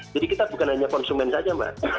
kita bukan hanya konsumen saja mbak